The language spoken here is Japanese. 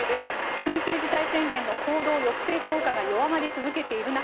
緊急事態宣言の行動抑制効果が弱まり続けている中